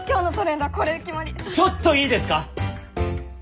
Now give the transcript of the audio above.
ちょっといいですか？